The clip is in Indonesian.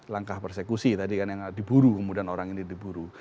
langkah persekusi tadi kan yang diburu kemudian orang ini diburu